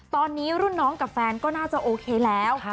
ตอนนี้รุ่นน้องกับแฟนก็น่าจะโอเคแล้ว